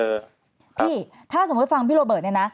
พี่ถ้าสมมุติฟังพี่โลเบิร์ดนะ